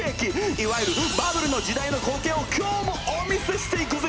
いわゆるバブルの時代の光景を今日もお見せしていくぜ！